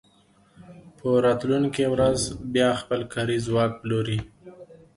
په راتلونکې ورځ بیا خپل کاري ځواک پلوري